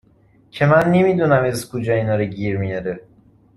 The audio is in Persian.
که من نمی دونم از کجا اینا رو گیر میاره